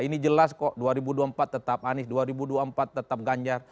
ini jelas kok dua ribu dua puluh empat tetap anies dua ribu dua puluh empat tetap ganjar